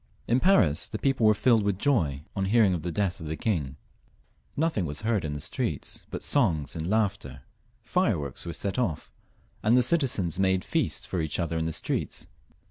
In Paris, the people were filled with joy on hearing of the death of the king ; nothing was heard in the streets but songs and laughter, fireworks were let off, and the citi zens made feasts for each other in the streets.